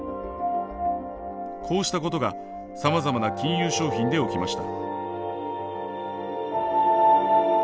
こうしたことがさまざまな金融商品で起きました。